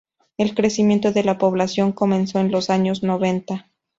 El crecimiento de la población comenzó en los años noventa.